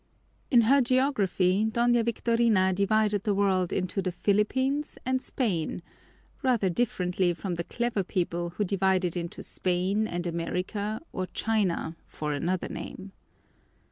In her geography Doña Victorina divided the world into the Philippines and Spain; rather differently from the clever people who divide it into Spain and America or China for another name.